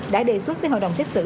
đã đề xuất với hội đồng xét xử